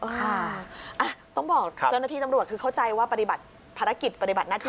ค่ะต้องบอกเจ้าหน้าที่ตำรวจคือเข้าใจว่าปฏิบัติภารกิจปฏิบัติหน้าที่